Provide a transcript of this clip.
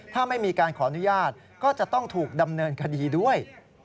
ถ้าไม่มีการขออนุญาตก็จะต้องถูกดำเนินคดีด้วย